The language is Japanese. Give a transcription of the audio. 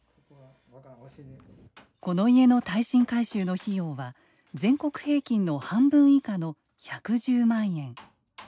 この家の耐震改修の費用は全国平均の半分以下の１１０万円。